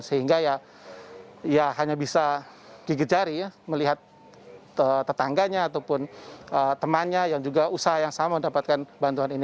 sehingga ya hanya bisa gigit jari ya melihat tetangganya ataupun temannya yang juga usaha yang sama mendapatkan bantuan ini